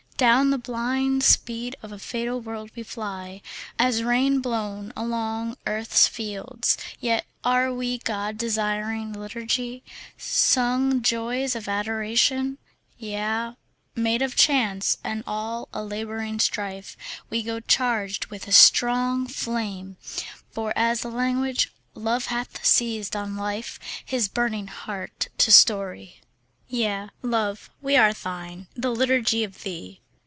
Down the blind speed of a fatal world we fly, As rain blown along earth's fields; Yet are we god desiring liturgy, Sung joys of adoration; Yea, made of chance and all a labouring strife, We go charged with a strong flame; For as a language Love hath seized on life His burning heart to story. Yea, Love, we are thine, the liturgy of thee.